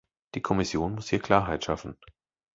Die Kommission muss hier Klarheit schaffen.